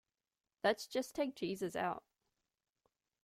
Let's just take Jesus out.